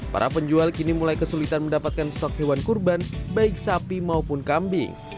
para penjual kini mulai kesulitan mendapatkan stok hewan kurban baik sapi maupun kambing